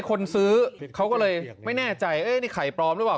คนซื้อเขาก็เลยไม่แน่ใจนี่ไข่ปลอมหรือเปล่า